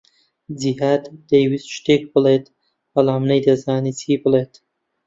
جیھاد دەیویست شتێک بڵێت، بەڵام نەیدەزانی چی بڵێت.